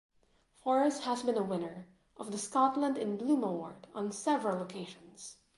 Forres has been a winner of the Scotland in Bloom award on several occasions.